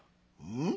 ん？